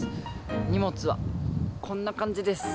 荷物はこんな感じです。